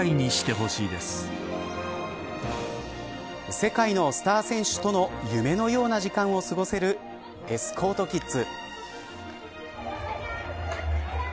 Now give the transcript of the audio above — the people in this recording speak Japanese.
世界のスター選手との夢のような時間を過ごせるエスコートキッズ。